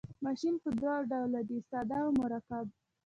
ماشین په دوه ډوله دی ساده او مرکب.